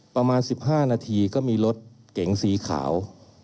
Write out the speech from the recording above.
ประมาณ๑๕นาทีก็มีรถเก๋งสีขาว